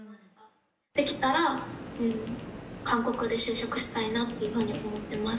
できたら、韓国で就職したいなというふうに思っています。